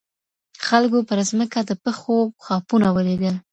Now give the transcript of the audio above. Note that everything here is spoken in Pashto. خلګو پر ځمکه د پښو خاپونه ولیدل.